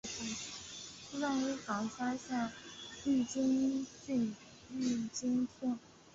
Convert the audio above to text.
出身于冈山县御津郡御津町。